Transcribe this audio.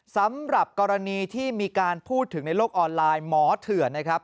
สำหรับกรณีที่มีการพูดถึงในโลกออนไลน์หมอเถื่อนนะครับ